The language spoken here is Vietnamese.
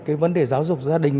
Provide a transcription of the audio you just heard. cái vấn đề giáo dục gia đình